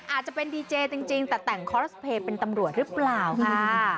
อาจจะเป็นดีเจจริงแต่แต่งคอสเพย์เป็นตำรวจหรือเปล่าค่ะ